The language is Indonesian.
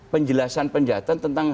penjelasan penjahatan tentang